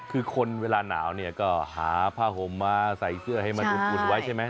คือคนเวลาหนาวเนี่ยก็หาผ้าห่มมาใส่เสื้อให้มันอุ่นไว้ใช่ไหม